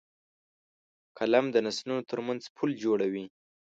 قلم د نسلونو ترمنځ پُل جوړوي